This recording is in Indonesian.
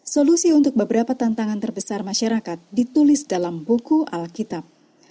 solusi untuk beberapa tantangan terbesar masyarakat ditulis dalam buku alkitab